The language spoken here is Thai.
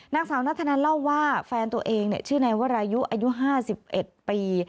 นางสาวนัทธนันเล่าว่าแฟนตัวเองชื่อนายวรายุอายุ๕๑ปี